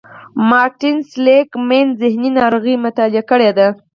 مارټين سېليګ مېن ذهني ناروغۍ مطالعه کړې دي.